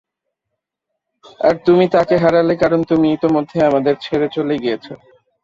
আর তুমি তাকে হারালে কারণ তুমি ইতোমধ্যে আমাদের ছেড়ে চলে গিয়েছো।